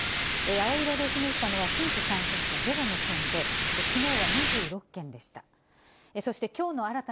青色で示したのは、新規感染者ゼロの県で、きのうは２６県でした。